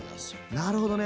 なるほどね。